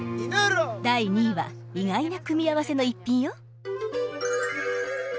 第２位は意外な組み合わせの１品よ。